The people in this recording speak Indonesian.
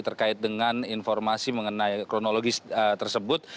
terkait dengan informasi mengenai kronologis tersebut